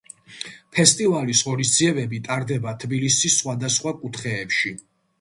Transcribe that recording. ფესტივალის ღონისძიებები ტარდება თბილისის სხვადასხვა კუთხეებში.